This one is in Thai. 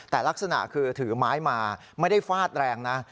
แต่ลักษณะคือถือไม้มาไม่ได้ฟาดแรงนะ